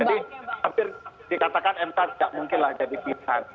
jadi hampir dikatakan mk tidak mungkin lah jadi pilihan